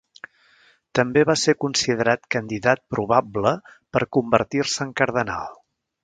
També va ser considerat candidat probable per convertir-se en cardenal.